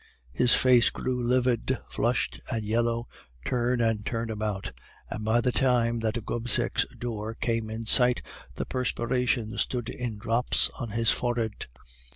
His face grew livid, flushed, and yellow, turn and turn about, and by the time that Gobseck's door came in sight the perspiration stood in drops on his forehead.